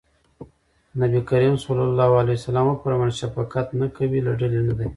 نبي کريم ص وفرمایل شفقت نه کوي له ډلې نه دی.